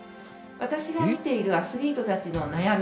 私が診ているアスリートたちの悩み。